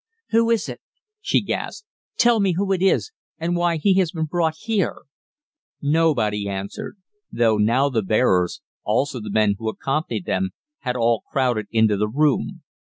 "Who is it?" she gasped. "Tell me who it is, and why he has been brought here!" Nobody answered, though now the bearers, also the men who accompanied them, had all crowded into the room.